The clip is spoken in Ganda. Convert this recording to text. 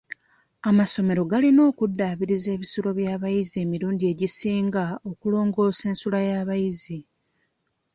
Amasomero galina okudaabiriza ebisulo by'abayizi emirundi egisinga okulongoosa ensula y'abayizi .